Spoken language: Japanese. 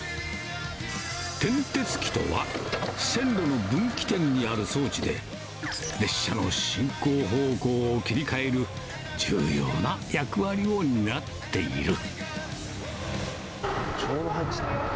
転てつ機とは、線路の分岐点にある装置で、列車の進行方向を切り替える重要な役割を担っている。